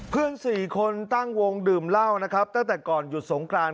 เพื่อน๔คนตั้งวงดื่มเหล้านะครับตั้งแต่ก่อนหยุดสงกราน